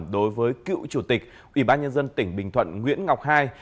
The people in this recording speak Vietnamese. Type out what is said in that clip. đối với cựu chủ tịch ủy ban nhân dân tỉnh bình thuận nguyễn ngọc hai